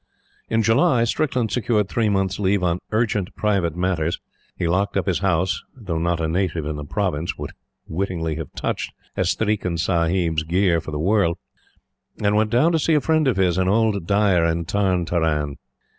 In July, Strickland secured three months' leave on "urgent private affairs." He locked up his house though not a native in the Providence would wittingly have touched "Estreekin Sahib's" gear for the world and went down to see a friend of his, an old dyer, at Tarn Taran.